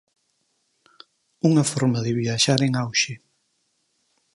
Unha forma de viaxar en auxe.